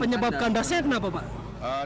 penyebab kandasnya kenapa pak